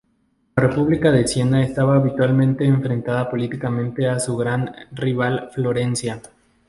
La República de Siena estaba habitualmente enfrentada políticamente a su gran rival, Florencia.